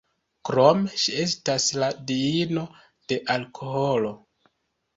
Krome, ŝi estas la diino de alkoholo.